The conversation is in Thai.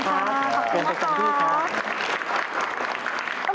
ขอบคุณค่ะขอบคุณค่ะ